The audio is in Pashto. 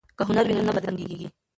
که هنر وي نو ژوند نه بدرنګیږي.